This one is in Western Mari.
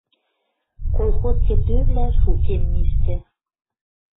Колхоз кӹтӧвлӓ шукем миштӹ.